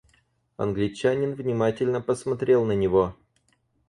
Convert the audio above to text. Англичанин внимательно посмотрел на него.